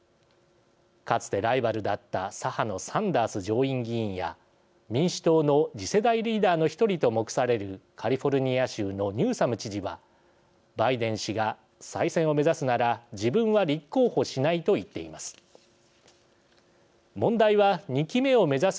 かつてライバルだった左派のサンダース上院議員や民主党の次世代リーダーの１人と目されるカリフォルニア州のニューサム知事はバイデン氏が再選を目指すなら自分は立候補しないと言っています。